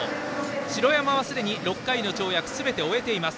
城山はすでに６回の跳躍をすべて終えています。